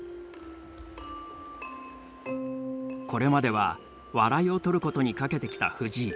これまでは笑いをとることにかけてきた藤井。